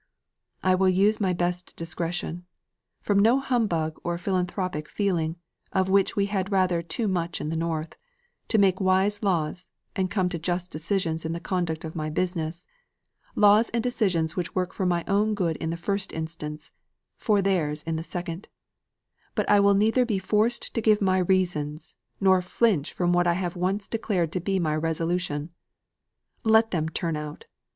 I will use my best discretion from no humbug or philanthropic feeling, of which we have had rather too much in the North to make wise laws and come to just decisions in the conduct of my business laws and decisions which work for my own good in the first instance for theirs in the second; but I will neither be forced to give my reasons, nor flinch from what I have once declared to be my resolution. Let them turn out!